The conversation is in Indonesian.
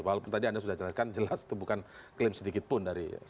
walaupun tadi anda sudah jelaskan jelas itu bukan klaim sedikitpun dari pihak